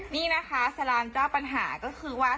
นี่นะคะสลานเจ้าปัญหาก็คือว่า